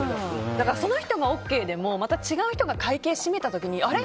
その人がＯＫでもまた違う人が会計締めた時にあれ？